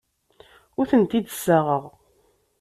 Ur tent-id-ssaɣeɣ.